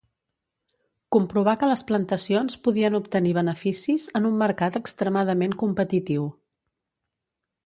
Comprovà que les plantacions podien obtenir beneficis en un mercat extremadament competitiu.